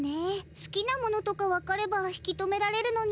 すきなものとかわかれば引き止められるのに。